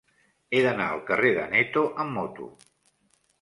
He d'anar al carrer d'Aneto amb moto.